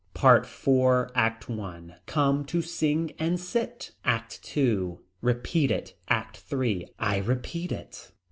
PART IV. ACT I. Come to sing and sit. ACT II. Repeat it. ACT III. I repeat it.